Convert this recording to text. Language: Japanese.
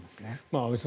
安部さん